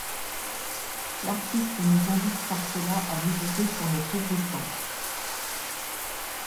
L’artiste nous invite par cela à méditer sur notre existence.